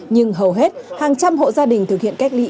nhưng hầu hết hàng trăm hộ gia đình thực hiện cách ly y tế